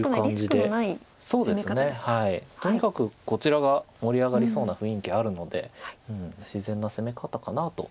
とにかくこちらが盛り上がりそうな雰囲気あるので自然な攻め方かなと。